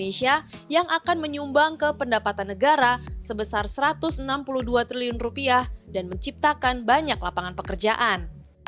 indonesia yang akan menyumbang ke pendapatan negara sebesar rp satu ratus enam puluh dua triliun dan menciptakan banyak lapangan pekerjaan